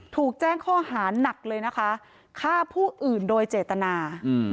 ถูกแจ้งข้อหานักเลยนะคะฆ่าผู้อื่นโดยเจตนา